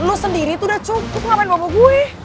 lu sendiri tuh udah cukup ngapain bobo gue